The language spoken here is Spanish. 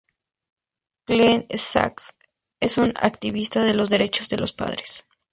Glenn Sacks es un activista de los derechos de los padres.